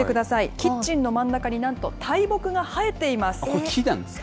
キッチンの真ん中に、なんと大木これ、木なんですか？